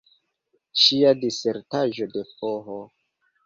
Ŝia disertaĵo de Ph.